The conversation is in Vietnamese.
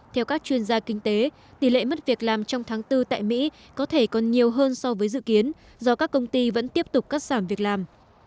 theo các chuyên gia kinh tế tỷ lệ mất việc làm trong tháng bốn tại mỹ có thể còn nhiều hơn so với dự kiến do các công ty vẫn tiếp tục cắt giảm việc làm